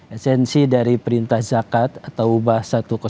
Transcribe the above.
esensi dari perintah zakat atau ubah satu ratus tiga